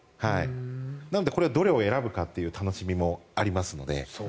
どれを選ぶかという楽しみもありますので。